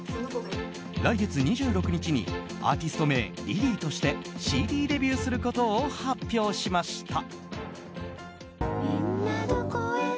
来月２６日にアーティスト名ｌｉｌｙとしてＣＤデビューすることを発表しました。